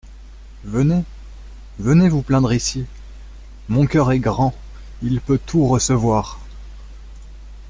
Venez, venez vous plaindre ici ! mon cœur est grand, il peut tout recevoir.